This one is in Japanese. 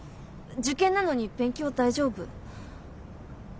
受験なのに勉強大丈夫？